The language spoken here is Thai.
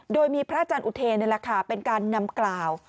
โดยมีพระอาจารย์อุเทนนี่แหละค่ะเป็นการนำกล่าว